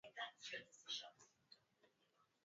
Sina hofu mbele zake.